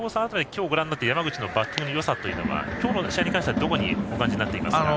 今日ご覧になって山口のバッティングのよさは今日の試合に関してはどこにお感じになっていますか？